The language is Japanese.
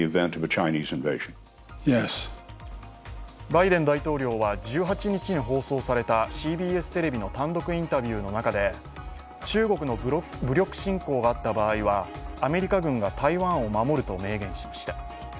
バイデン大統領は１８日に放送されたＣＢＳテレビの単独インタビューの中で、中国の武力侵攻があった場合はアメリカ軍が台湾を守ると明言しました。